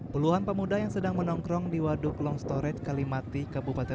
puluhan pemuda yang sedang menongkrong di waduk longstoret kalimati kabupaten